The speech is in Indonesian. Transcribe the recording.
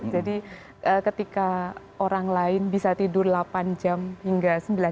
jadi ketika orang lain bisa tidur delapan jam hingga ya